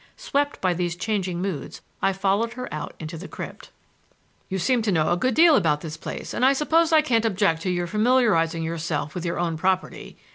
Swept by these changing moods I followed her out into the crypt. "You seem to know a good deal about this place, and I suppose I can't object to your familiarizing yourself with your own property.